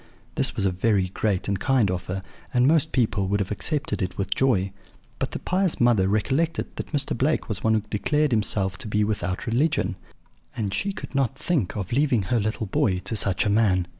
This was a very great and kind offer, and most people would have accepted it with joy; but the pious mother recollected that Mr. Blake was one who declared himself to be without religion; and she could not think of leaving her little boy to such a man.